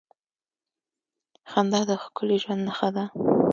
• خندا د ښکلي ژوند نښه ده.